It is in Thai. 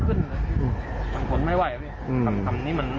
แต่เขาร้อนประตาทุกคน